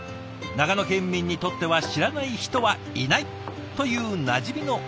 長野県民にとっては知らない人はいないというなじみのおかずだそう。